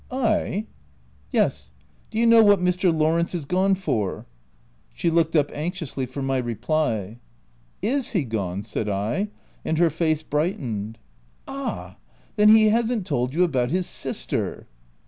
" Yes : do you know what Mr. Lawrence is gone for?" She looked up anxiously for my reply. " Is he gone?'* said I, and her face bright ened. "Ah ! then he hasn't told you about his sister?"